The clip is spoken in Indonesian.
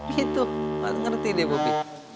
gitu gak ngerti dia bobby